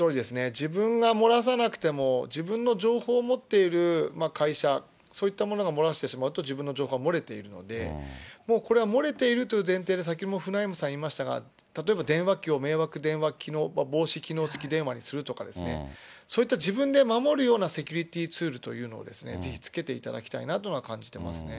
自分が漏らさなくても、自分の情報を持っている会社、そういったものが漏らしてしまうと、自分の情報は漏れているので、もうこれは、漏れているという前提で、先ほどもフナイムさんが言いましたが、例えば電話機を迷惑電話機能防止機能付き電話にするとか、そういった自分で守るようなセキュリティーツールというのをぜひつけていただきたいなと感じてますね。